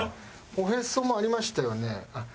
おへそもありましたよね？